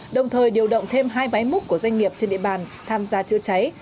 đồng thời điều động thêm hai máy múc của doanh nghiệp trên địa bàn tham gia chữa cháy